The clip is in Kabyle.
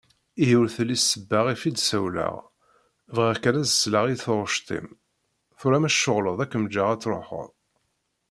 Ihi ur telli ssebba ɣef i d-ssawleɣ ; bɣiɣ kan ad d-sleɣ i taɣect-im. Tura ma tceɣleḍ ad kem-ǧǧeɣ ad truḥeḍ.